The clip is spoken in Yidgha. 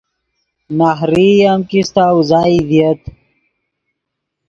نہریئی ام کیستہ اوزائی ڤییت